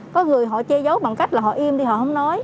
có người họ che giấu bằng cách là họ im thì họ không nói